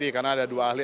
jadi karena ada dua ahli